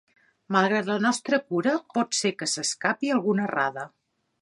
Malgrat la nostra cura, pot ser que s'escape alguna errada.